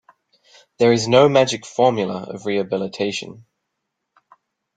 There is no magic formula of rehabilitation.